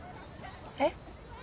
えっ？